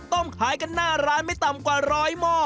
ขายกันหน้าร้านไม่ต่ำกว่าร้อยหม้อ